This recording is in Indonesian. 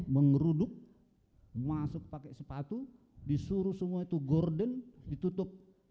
mengeruduk masuk pakai sepatu disuruh semua itu gorden ditutup